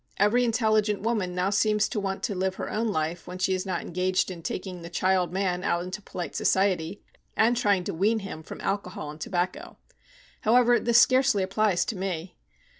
Every intelligent woman now seems to want to live her own life when she is not engaged in taking the child man out into polite society, and trying to wean him from alcohol and tobacco. However, this scarcely applies to me."